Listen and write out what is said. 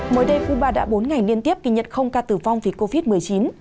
mới đây cuba đã bốn ngày liên tiếp kỳ nhật không ca tử vong vì covid một mươi chín